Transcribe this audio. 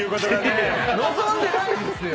望んでないですよ！